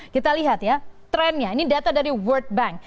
kita lihat ya trennya ini data dari world bank